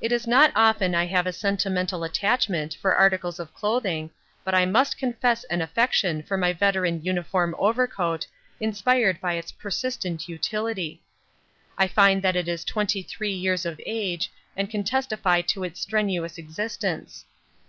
It is not often I have a sentimental attachment for articles of clothing, but I must confess an affection for my veteran uniform overcoat, inspired by its persistent utility. I find that it is twenty three years of age and can testify to its strenuous existence.